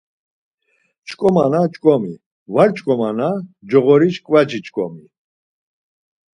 Ç̌ǩomana ç̌ǩomi, var ç̌ǩomana coğoriş ǩvaci ç̌ǩomi.